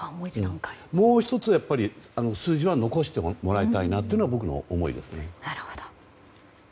もう１つ、数字は残してもらいたいなというのが僕の思いですね。